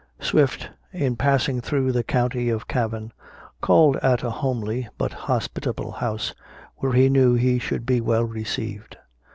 Swift, in passing through the county of Cavan, called at a homely but hospitable house, where he knew he should be well received.